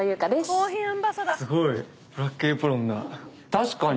確かに。